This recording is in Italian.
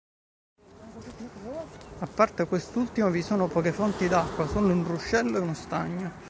A parte quest'ultimo, vi sono poche fonti d'acqua; solo un ruscello e uno stagno.